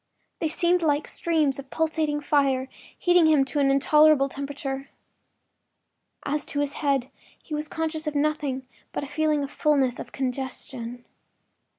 They seemed like streams of pulsating fire heating him to an intolerable temperature. As to his head, he was conscious of nothing but a feeling of fullness—of congestion.